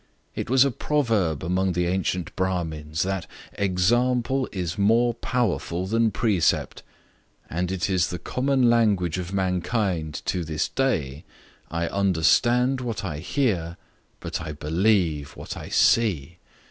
It was a proverb among the ancient Bramins, that Example is more powerful than precept, and it is the common language of mankind to this day, I understand what I hear, but I believe what I see.